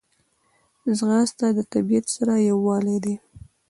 ځغاسته د طبیعت سره یووالی دی